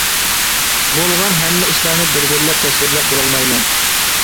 بولغان ھەممە ئىشلارنى بىر بىرلەپ تەسۋىرلەپ بولالمايمەن.